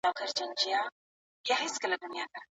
د هغې ونې لاندي کښېنئ.